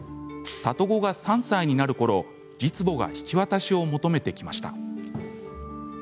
里子が３歳になるころ実母が引き渡しを求めてきました。